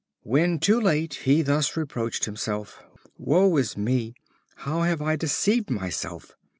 When too late he thus reproached himself: "Woe is me! How have I deceived myself!